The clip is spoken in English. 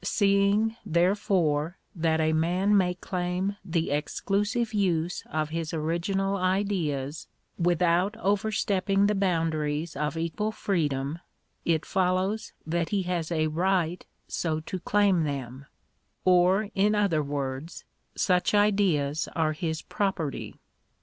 Seeing, therefore, ithat a man may claim the exclusive use of his original ideas j; without overstepping the boundaries of equal freedom, it follows (that he has a right so to claim them ; or, in other words, such ideas are his property.